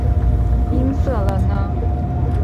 因此我果然被说是音色了呢。